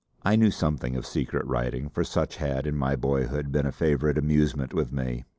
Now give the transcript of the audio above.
I knew something of secret writing, for such had in my boyhood been a favourite amusement with me.